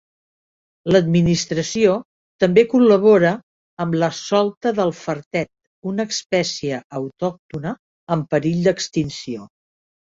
L'administració també col·labora amb la solta del Fartet, una espècie autòctona en perill d’extinció.